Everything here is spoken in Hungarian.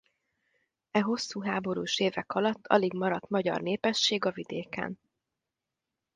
E hosszú háborús évek alatt alig maradt magyar népesség a vidéken.